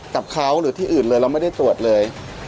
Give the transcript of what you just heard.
กับเขาหรือที่อื่นเลยเราไม่ได้ตรวจเลย